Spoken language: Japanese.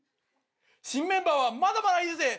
「新メンバーはまだまだいるぜ」。